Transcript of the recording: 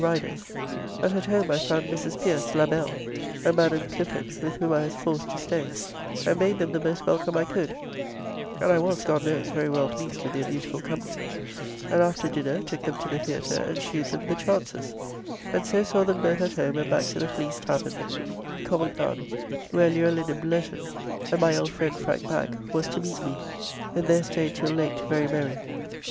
Rider's, but at home I found Mrs. Pierce, la belle, and Madam Clifford, with whom I was forced to stay, and made them the most welcome I could; and I was (God knows) very well pleased with their beautiful company, and after dinner took them to the Theatre, and shewed them "The Chances;" and so saw them both at home and back to the Fleece tavern, in Covent Garden, where Luellin and Blurton, and my old friend Frank Bagge, was to meet me, and there staid till late very merry.